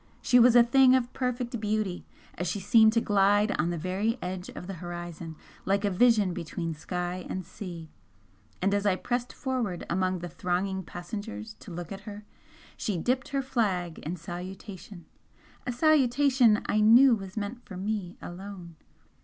She was a thing of perfect beauty as she seemed to glide on the very edge of the horizon like a vision between sky and sea. And as I pressed forward among the thronging passengers to look at her, she dipped her flag in salutation a salutation I knew was meant for me alone.